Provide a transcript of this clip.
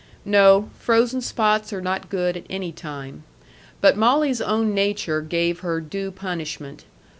No; frozen spots are not good at any time. But Molly's own nature gave her due punishment.